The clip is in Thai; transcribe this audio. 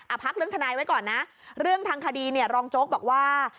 พักเรื่องทนายไว้ก่อนนะเรื่องทางคดีเนี่ยรองโจ๊กบอกว่า